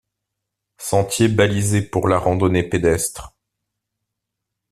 Sentiers balisés pour la randonnée pédestre.